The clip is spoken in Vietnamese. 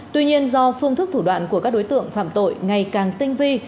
tuy nhiên do phương thức thủ đoạn của các đối tượng phạm tội ngày càng tinh vi